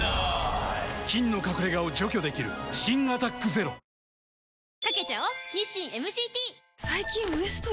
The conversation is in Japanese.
菌の隠れ家を除去できる新「アタックＺＥＲＯ」「キュキュット」